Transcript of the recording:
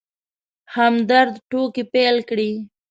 همدرد ټوکې پيل کړې.